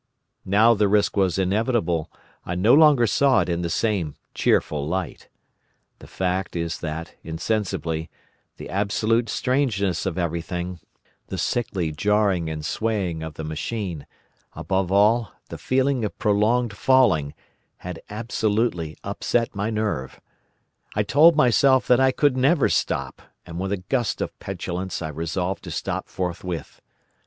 Now the risk was inevitable, I no longer saw it in the same cheerful light. The fact is that, insensibly, the absolute strangeness of everything, the sickly jarring and swaying of the machine, above all, the feeling of prolonged falling, had absolutely upset my nerves. I told myself that I could never stop, and with a gust of petulance I resolved to stop forthwith.